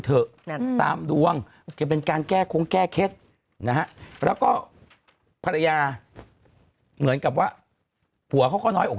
เถอะตามดวงก็เป็นการแก้คงแก้เค็ตแล้วก็หัวก็น้อยอ์เป็น